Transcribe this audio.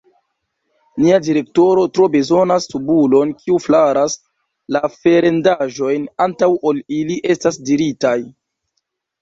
Nia direktoro tro bezonas subulon kiu flaras la farendaĵojn antaŭ ol ili estas diritaj.